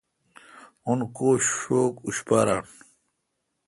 اون کو شوک اوشپاران